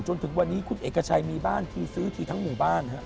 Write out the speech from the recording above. จนถึงวันนี้คุณเอกชัยมีบ้านทีซื้อทีทั้งหมู่บ้านฮะ